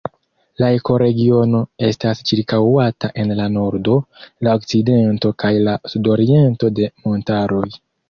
La ekoregiono estas ĉirkaŭata en la nordo, la okcidento kaj la sudoriento de montaroj.